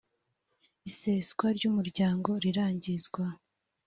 iseswa ry umuryango rirangizwa